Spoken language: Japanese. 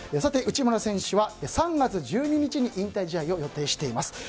内村選手は３月１２日に引退試合を予定しています。